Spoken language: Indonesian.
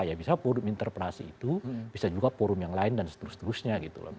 ya bisa forum interpelasi itu bisa juga forum yang lain dan seterusnya gitu loh